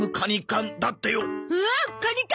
おおっカニ缶！